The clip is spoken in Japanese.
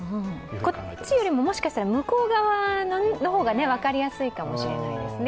こっちよりも、もしかしたら向こう側の方が分かりやすいかもしれないですね。